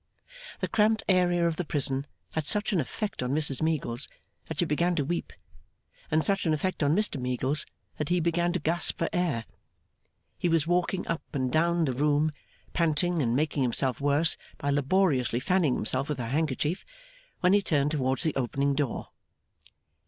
The cramped area of the prison had such an effect on Mrs Meagles that she began to weep, and such an effect on Mr Meagles that he began to gasp for air. He was walking up and down the room, panting, and making himself worse by laboriously fanning himself with her handkerchief, when he turned towards the opening door.